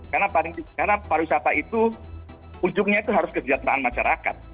karena pariwisata itu ujungnya itu harus kejajaran masyarakat